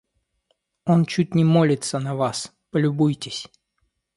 Он чуть не молится на вас, полюбуйтесь.